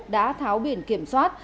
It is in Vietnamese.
đá tháo biển kiểm soát